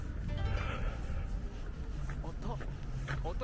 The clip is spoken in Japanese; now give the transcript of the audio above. おと。